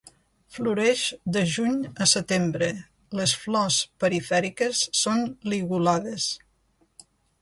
Floreix de juny a setembre, les flors perifèriques són ligulades.